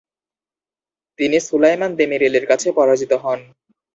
তিনি সুলাইমান দেমিরেলের কাছে পরাজিত হন।